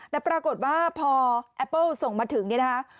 แต่ปรากฏว่าพอแอปเปิ้ลส่งมาถึงเนี่ยนะคะ